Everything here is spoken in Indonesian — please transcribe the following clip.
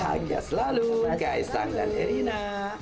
bahagia selalu kaisang dan erina